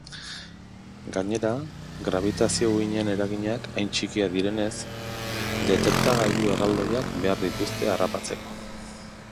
Gainera, grabitazio-uhinen eraginak hain txikiak direnez, detektagailu erraldoiak behar dituzte harrapatzeko.